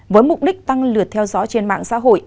với mục đích tăng lượt theo dõi trên mạng xã hội